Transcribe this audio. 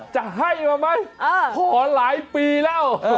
จะให้มาไหมขอหลายปีแล้ว